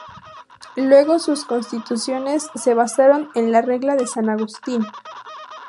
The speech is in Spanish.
Luego sus constituciones se basaron en la Regla de San Agustín.